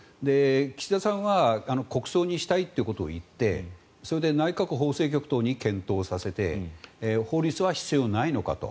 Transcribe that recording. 岸田さんは国葬にしたいっていうことを言ってそれで内閣法制局等に検討させて法律は必要ないのかと。